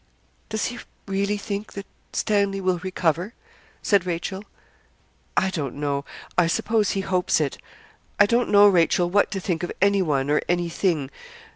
'Does he really think that Stanley will recover?' said Rachel. 'I don't know; I suppose he hopes it. I don't know, Rachel, what to think of anyone or anything.